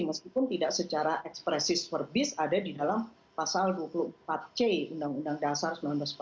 meskipun tidak secara ekspresif perbis ada di dalam pasal dua puluh empat c undang undang dasar seribu sembilan ratus empat puluh lima